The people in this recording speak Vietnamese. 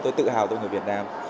tôi tự hào tôi là người việt nam